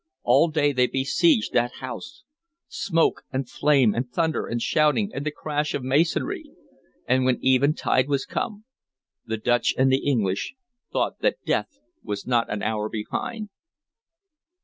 All day they besieged that house, smoke and flame and thunder and shouting and the crash of masonry, and when eventide was come we, the Dutch and the English, thought that Death was not an hour behind."